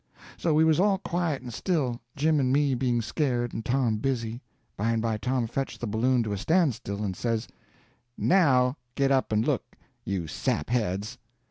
So we was all quiet and still, Jim and me being scared, and Tom busy. By and by Tom fetched the balloon to a standstill, and says: "Now get up and look, you sapheads."